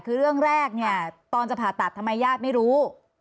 คือเรื่องแรกเนี่ยตอนจะผ่าตัดทำไมญาติไม่รู้